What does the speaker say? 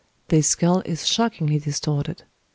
This skull is shockingly distorted.